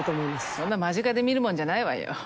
そんな間近で見るもんじゃないわよ。